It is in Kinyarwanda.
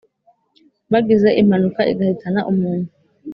bagize impanuka igahitana umuntu